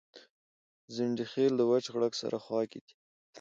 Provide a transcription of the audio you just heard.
ځنډيخيل دوچ غړک سره خواکی دي